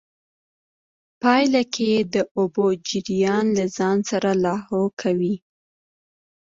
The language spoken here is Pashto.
پايله کې د اوبو جريان له ځان سره لاهو کوي.